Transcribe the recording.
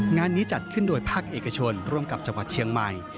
งานนี้จัดขึ้นโดยภาคเอกชนร่วมกับจังหวัดเชียงใหม่